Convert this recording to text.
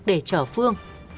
để chở phương